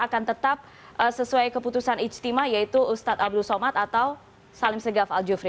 akan tetap sesuai keputusan ijtima yaitu ustadz abdul somad atau salim segaf al jufri